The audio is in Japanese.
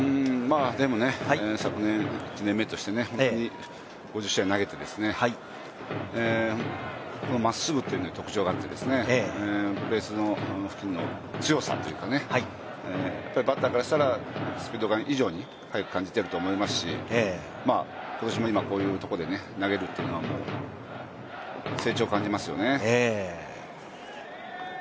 でも、昨年１年目として５０試合投げて、まっすぐというのに特長があってベース付近の強さというかバッターからしたらスピードガン以上に速く感じていると思いますし、今年も今こういうところで投げるというのは成長を感じますよね。